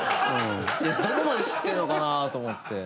どこまで知ってるのかなと思って。